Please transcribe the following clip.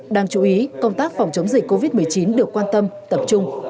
đáng chú ý công tác phòng chống dịch covid một mươi chín được quan tâm tập trung